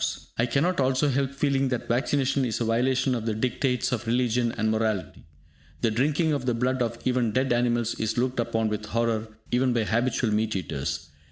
I cannot also help feeling that vaccination is a violation of the dictates of religion and morality. The drinking of the blood of even dead animals is looked upon with horror even by habitual meat eaters.